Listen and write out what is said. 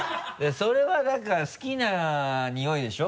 それはだから好きなニオイでしょ？